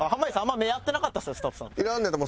スタッフさんと。